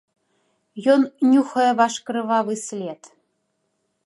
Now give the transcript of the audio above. Ён нюхае ваш крывавы след.